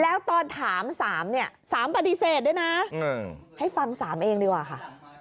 แล้วตอนถาม๓เนี่ย๓ปฏิเสธด้วยนะให้ฟัง๓เองดีกว่าค่ะ